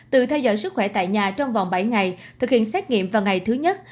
từ theo dõi sức khỏe tại nhà trong vòng bảy ngày thực hiện xét nghiệm vào ngày thứ nhất